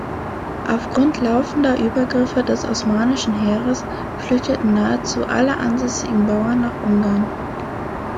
Aufgrund laufender Übergriffe des osmanischen Heeres flüchteten nahezu alle ansässigen Bauern nach Ungarn.